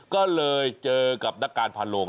ก็เลยเจอกับนักการพันโลง